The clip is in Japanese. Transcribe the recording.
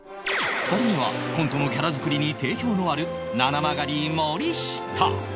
２人目はコントのキャラ作りに定評のあるななまがり森下